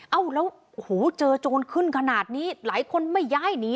เอ้าแล้วโอ้โหเจอโจรขึ้นขนาดนี้หลายคนไม่ย้ายหนี